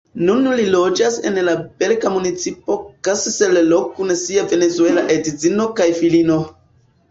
Nun li loĝas en la belga municipo Kessel-Lo kun sia venezuela edzino kaj filino.